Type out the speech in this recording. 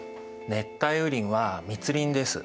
熱帯雨林は密林です。